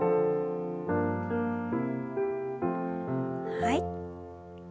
はい。